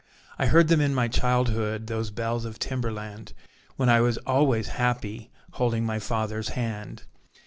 I heard them in my childhood, Those bells of Timberland, When I was always happy, Holding my father's hand.